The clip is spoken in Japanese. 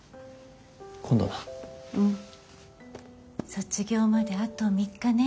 卒業まであと３日ね。